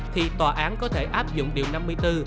thì tòa án có thể áp dụng điều năm mươi bốn